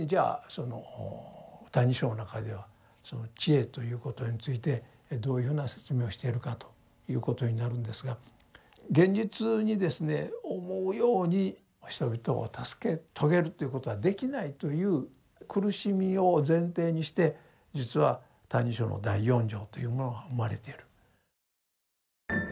その「歎異抄」の中ではその智慧ということについてどういうふうな説明をしているかということになるんですが現実にですね思うように人々を助け遂げるということはできないという苦しみを前提にして実は「歎異抄」の第四条というものは生まれている。